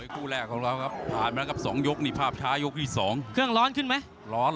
ของเราครับผ่านมาแล้วกับสองยกนี่ภาพช้ายกที่สองเครื่องร้อนขึ้นไหมร้อน